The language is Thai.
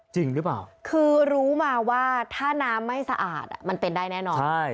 จริงหรือเปล่าคือรู้มาว่าถ้าน้ำไม่สะอาดมันเป็นได้แน่นอน